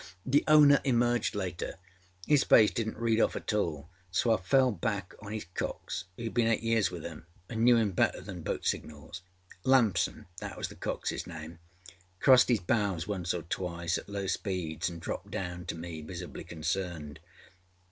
The owner emerged later. His face didnât read off at all, so I fell back on his cox, âooâd been eight years with him and knew him better than boat signals. Lamsonâthat was the coxâs nameâcrossed âis bows once or twice at low speeds anâ dropped down to me visibly concerned.